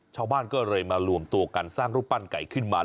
ชาวบ้านก็เลยมารวมตัวกันสร้างรูปปั้นไก่ขึ้นมา